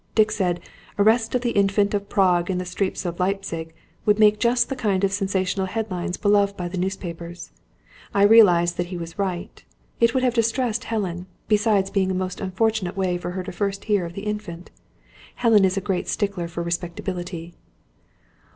Dick said: 'Arrest of the Infant of Prague in the Streets of Leipzig' would make just the kind of sensational headline beloved by newspapers. I realised that he was right. It would have distressed Helen, besides being a most unfortunate way for her to hear first of the Infant. Helen is a great stickler for respectability."